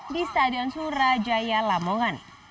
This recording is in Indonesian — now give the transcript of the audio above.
di stadion surajaya lamongan